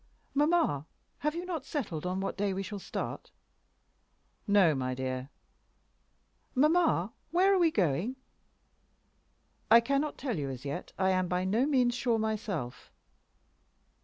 "Mamma, have you not settled on what day we shall start?" "No, my dear." "Mamma, where are we going?" "I cannot tell you as yet; I am by no means sure myself."